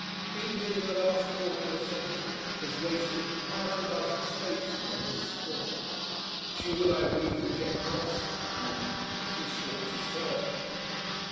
England in the last quarter of a century has wasted half a dozen statesmen on this score; she would, I believe, reject Nelson now if he sought to serve her.